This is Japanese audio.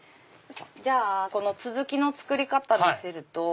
じゃあ続きの作り方見せると。